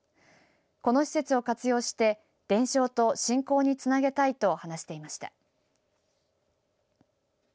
この施設を活用して伝承と振興につなげたいと話していました。